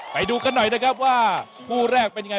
ไปดูกันหน่อยนะครับว่าคู่แรกเป็นยังไง